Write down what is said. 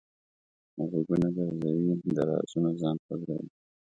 غوږونه ګرځوي؛ د رازونو ځان خبروي.